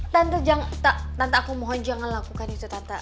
tante jangan tante aku mohon jangan lakukan itu tante